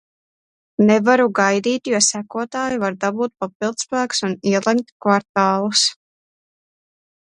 Nevaru gaidīt, jo sekotāji var dabūt papildspēkus un ielenkt kvartālus.